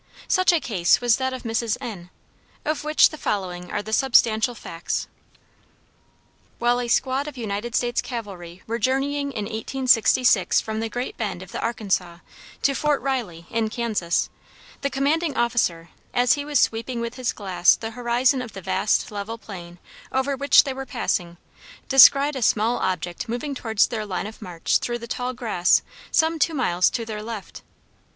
Such a case was that of Mrs. N , of which the following are the substantial facts: While a squad of United States cavalry were journeying in 1866 from the Great Bend of the Arkansas to Fort Riley, in Kansas, the commanding officer, as he was sweeping with his glass the horizon of the vast level plain over which they were passing, descried a small object moving towards their line of march through the tall grass some two miles to their left.